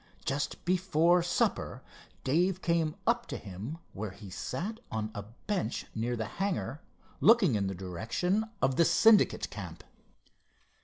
Just before supper Dave came up to him where he sat on a bench near the hangar looking in the direction of the Syndicate camp.